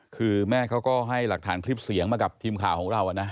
คือแม่เขาก็ให้หลักฐานคลิปเสียงมากับทีมข่าวของเรานะ